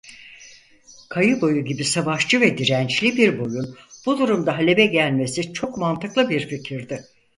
Kayı boyu gibi savaşçı ve dirençli bir boyun bu durumda Halep'e gelmesi çok mantıklı bir fikirdi.